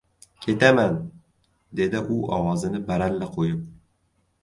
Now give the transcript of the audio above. — Ketaman! — dedi u ovozini baralla qo‘yib.